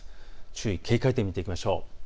注意、警戒点を見ていきましょう。